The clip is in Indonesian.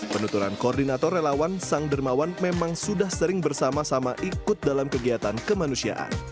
penuturan koordinator relawan sang dermawan memang sudah sering bersama sama ikut dalam kegiatan kemanusiaan